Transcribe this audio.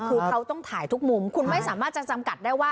คือเขาต้องถ่ายทุกมุมคุณไม่สามารถจะจำกัดได้ว่า